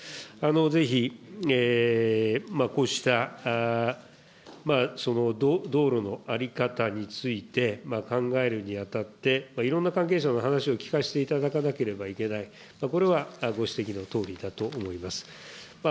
ぜひこうした道路の在り方について考えるにあたって、いろんな関係者の話を聞かせていただかなければいけない、これはご指摘のとおりだと思います。